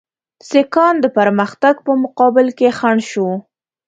سیکهان د پرمختګ په مقابل کې خنډ شو.